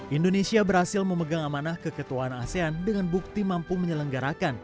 indonesia berhasil memegang amanah keketuaan asean dengan bukti mampu menyelenggarakan